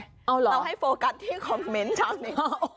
เราให้โฟกัสที่คอมเม้นท์จากนี้